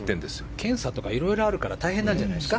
検査とかいろいろあるから大変なんじゃないですか。